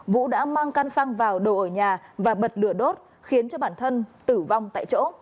vũ đã mang căn xăng vào đồ ở nhà và bật lửa đốt khiến cho bản thân tử vong tại chỗ